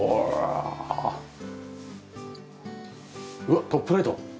うわっトップライト。